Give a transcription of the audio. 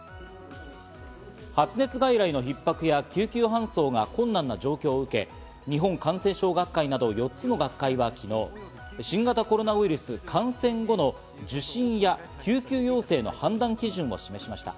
発熱外来のひっ迫や救急搬送が困難な状況を受け、日本感染症学会など４つの学会は昨日、新型コロナウイルス感染後の受診や救急要請の判断基準を示しました。